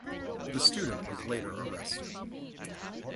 The student was later arrested.